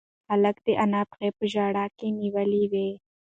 هلک د انا پښې په ژړا کې نیولې وې.